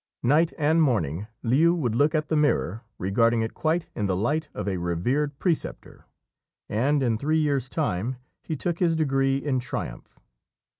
Night and morning Liu would look at the mirror, regarding it quite in the light of a revered preceptor; and in three years' time he took his degree in triumph.